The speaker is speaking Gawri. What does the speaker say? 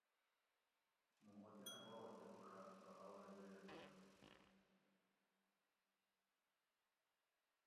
موں اوطِنہ باوہ کٞروݭاٞت تہ اولہ بِرے خوشاٞں